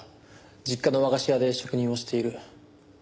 実家の和菓子屋で職人をしている。